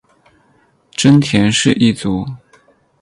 真田氏一族。